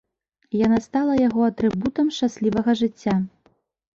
Яна стала яго атрыбутам шчаслівага жыцця.